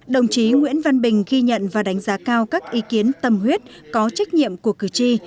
đồng chí nguyễn văn bình ghi nhận và đánh giá cao các ý kiến tâm huyết có trách nhiệm của cử tri